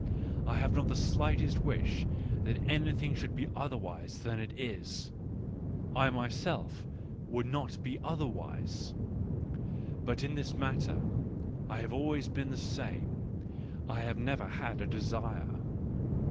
I have not the slightest wish that anything should be otherwise than it is : I myself would not be otherwise. ... But in this matter I have always been the same. I have never had a desire.